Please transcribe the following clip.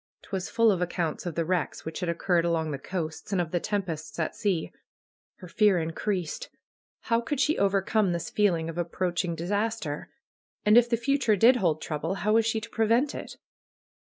Twas full of accounts of the wrecks which had occurred along the coasts, and of the tempests at sea. Her fear increased. How could she overcome this feeling of approaching disaster? And if the future did hold trouble, how was she to prevent it?